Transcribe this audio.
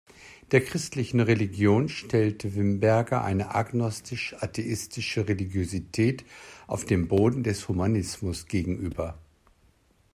Der christlichen Religion stellte Wimberger eine „agnostisch-atheistische Religiosität auf dem Boden des Humanismus“ gegenüber.